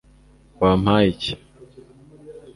wampaye iki